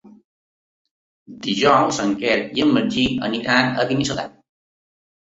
Dijous en Quer i en Magí aniran a Binissalem.